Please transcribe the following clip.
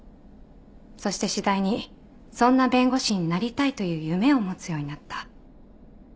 そして次第にそんな弁護士になりたいという夢を持つようになった。